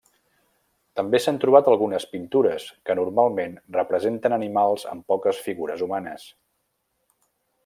També s'han trobat algunes pintures, que normalment representen animals amb poques figures humanes.